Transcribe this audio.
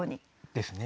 ですね。